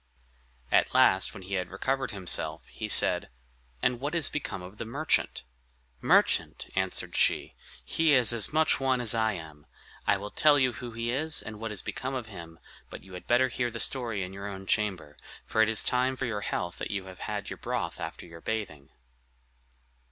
At last, when he had recovered himself, he said, "And what is become of the merchant?" "Merchant!" answered she; "he is as much one as I am. I will tell you who he is, and what is become of him; but you had better hear the story in your own chamber; for it is time for your health that you had your broth after your bathing."